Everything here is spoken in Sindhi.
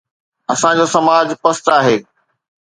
اسان جو سماج پست آهي.